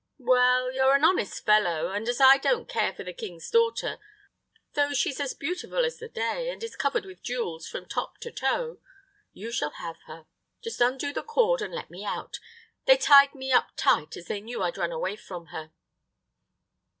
"Well, you're an honest fellow, and as I don't care for the king's daughter, though she's as beautiful as the day, and is covered with jewels from top to toe, you shall have her. Just undo the cord and let me out; they tied me up tight, as they knew I'd run away from her."